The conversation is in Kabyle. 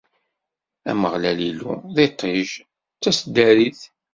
Ameɣlal Illu, d iṭij, d taseddarit!